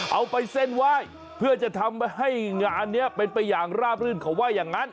เอาไปเส้นไหว้เพื่อจะทำให้งานนี้เป็นไปอย่างราบรื่นเขาว่าอย่างนั้น